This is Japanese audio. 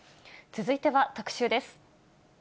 続いては特集です。